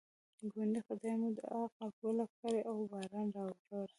ګوندې خدای مو دعا قبوله کړي او باران راواوري.